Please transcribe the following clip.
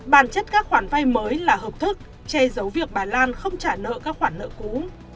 bản chất các khoản vay mới là hợp thức che giấu việc bà lan không trả nợ các khoản nợ cũ